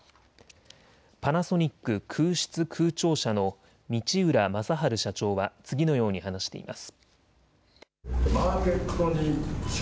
パナソニック空質空調社の道浦正治社長は次のように話しています。